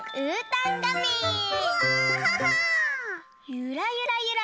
ゆらゆらゆら。